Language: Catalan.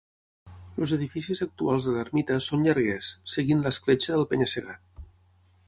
Els edificis actuals de l'ermita són llarguers, seguint l'escletxa del penya-segat.